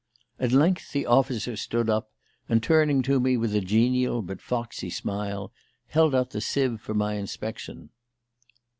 At length the officer stood up, and turning to me with a genial but foxy smile, held out the sieve for my inspection.